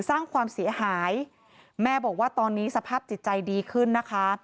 สร้างความเสียหายแม่บอกว่าตอนนี้สภาพจิตใจดีขึ้นนะคะ